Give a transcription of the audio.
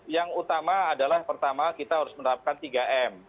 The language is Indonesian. yang utama adalah pertama kita harus menerapkan tiga m